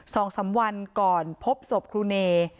สองสามวันก่อนพบศพครูเน